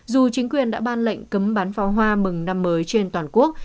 dù chính quyền đã ban lệnh cấm bán pháo hoa mừng năm mới trên toàn quốc